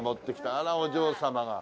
あらお嬢様が。